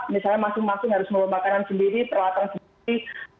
misalnya masing masing harus membeli makanan sendiri perlatang sendiri